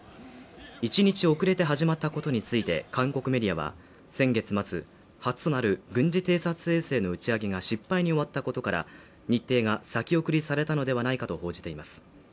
１日遅れて始まったことについて、韓国メディアは先月末、初となる軍事偵察衛星の打ち上げが失敗に終わったことから、日程が先送りされたのではないかと報じています。